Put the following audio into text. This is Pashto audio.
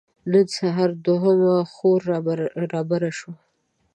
نن سهار دوهمه خور رابره شوه.